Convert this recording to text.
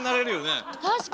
確かに！